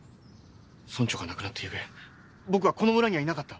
村長が亡くなったゆうべ僕はこの村にはいなかった。